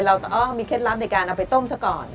เราต้องมีเคล็ดลับในการเอาไปต้มซะก่อน